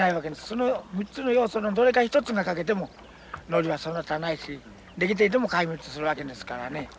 その３つの要素のどれか一つが欠けてもノリは育たないし出来ていても壊滅するわけですからね。